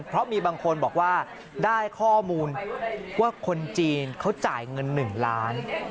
เพราะมีบางคนบอกว่าได้ข้อมูลว่าคนจีนเขาจ่ายเงิน๑ล้าน